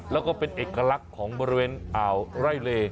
แล้วก็เป็นเอกลักษณ์ของบริเวณอ่าวไร่เล